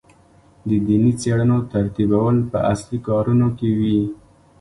د دیني څېړنو ترتیبول په اصلي کارونو کې وي.